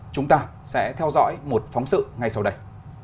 chúng ta sẽ theo dõi một phóng sự ngay sau đây